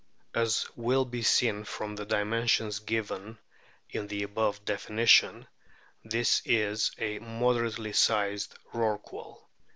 As will be seen from the dimensions given in the above definition, this is a moderately sized Rorqual.